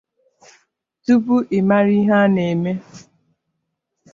Tupu ị mara ihe na-eme